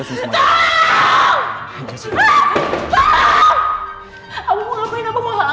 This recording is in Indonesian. orang yang selama ini n ketunhat